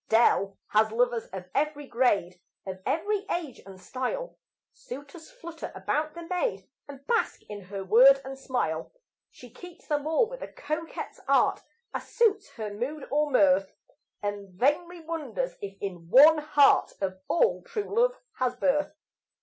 Dell has lovers of every grade, Of every age and style; Suitors flutter about the maid, And bask in her word and smile. She keeps them all, with a coquette's art, As suits her mood or mirth, And vainly wonders if in one heart Of all true love has birth.